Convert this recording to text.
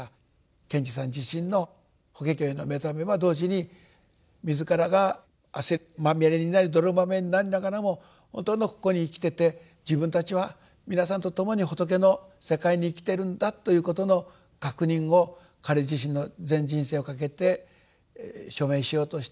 賢治さん自身の法華経への目覚めは同時に自らが汗まみれになり泥まみれになりながらも本当のここに生きてて自分たちは皆さんと共に仏の世界に生きているんだということの確認を彼自身の全人生を懸けて証明しようとした。